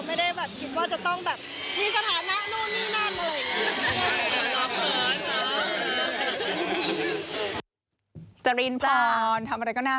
ไม่ได้แบบคิดว่าจะต้องแบบมีสถานะนู่นนี่นั่นอะไรอย่างนี้